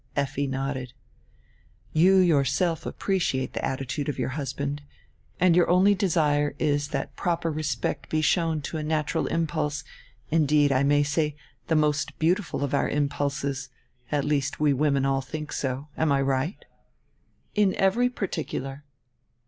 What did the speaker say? Effi nodded. "You yourself appreciate die attitude of your husband, and your only desire is diat proper respect be shown to a natural impulse, indeed, I may say, die most beautiful of our impulses, at least we women all diink so. Am I right?" "In every particular."